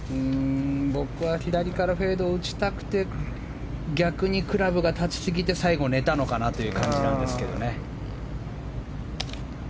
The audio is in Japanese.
僕は左からフェードを打ちたくて逆にクラブが立ちすぎて最後、寝たのかなという感じですけどね。